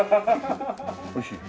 おいしい？